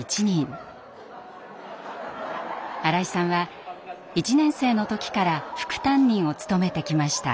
新井さんは１年生の時から副担任を務めてきました。